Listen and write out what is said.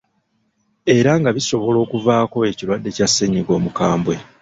Era nga bisobola okuvaako ekirwadde kya ssennyiga omukambwe.